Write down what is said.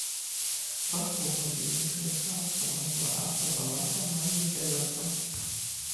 Праз паўгадзіны каля стараставага двара сабралася амаль не ўся вёска.